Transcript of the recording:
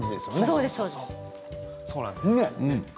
そうなんです。